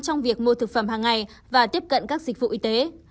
trong việc mua thực phẩm hàng ngày và tiếp cận các dịch vụ y tế